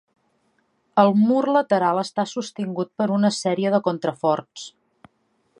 El mur lateral està sostingut per una sèrie de contraforts.